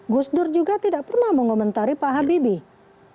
gus dur juga tidak pernah mengomentari pak habibie